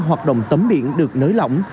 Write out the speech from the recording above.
hoạt động tắm biển được nới lỏng